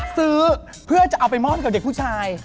ซื้อเพื่อจะเอาไปมอบให้กับเด็กผู้ชาย